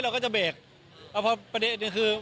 เราก็จะเบรกแล้วพอประเด็นนี้คือ